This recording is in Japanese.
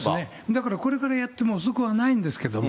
だからこれからやっても遅くはないんですけれども。